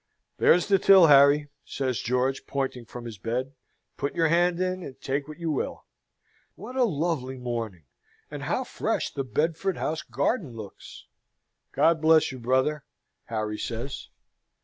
"There's the till, Harry," says George, pointing from his bed. "Put your hand in, and take what you will. What a lovely morning, and how fresh the Bedford House garden looks!" "God bless you, brother!" Harry says.